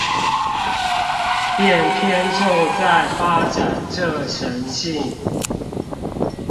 便偏重在發展這神性